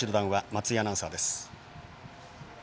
松井アナウンサーです。